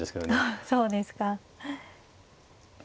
そうですか。